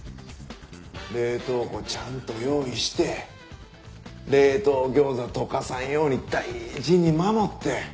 冷凍庫ちゃんと用意して冷凍餃子解かさんように大事に守って。